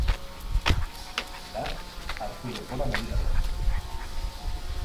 Beraz, hartu denbora meditatzeko.